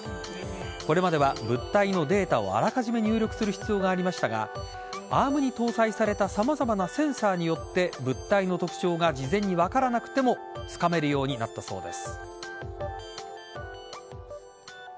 これまでは、物体のデータをあらかじめ入力する必要がありましたがアームに搭載された様々なセンサーによって物体の特徴が事前に分からなくてもつかめるようになったそうです。